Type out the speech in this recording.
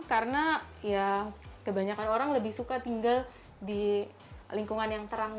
karena ya kebanyakan orang lebih suka tinggal di lingkungan yang terang